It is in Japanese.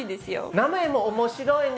名前も面白いね。